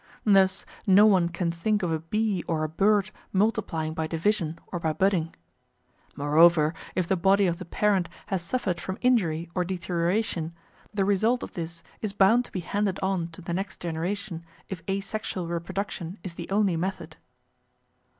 Thus, no one can think of a bee or a bird multiplying by division or by budding. Moreover, if the body of the parent has suffered from injury or deterioration, the result of this is bound to be handed on to the next generation if asexual reproduction is the only method.